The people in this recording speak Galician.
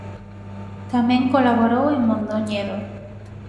Tamén colaborou en "Mondoñedo".